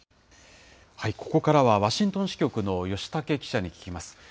ここからは、ワシントン支局の吉武記者に聞きます。